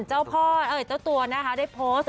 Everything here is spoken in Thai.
เจ้าตัวได้โพสต์